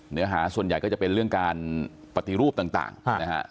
เนื้อหาส่วนใหญ่ก็จะเป็นเรื่องการปฏิรูปต่างนะฮะ